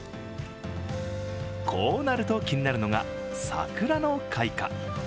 こうなると気になるのが、桜の開花。